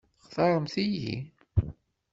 Textaṛemt-iyi?